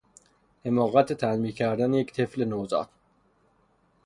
حماقت تنبیه کردن یک طفل نوزاد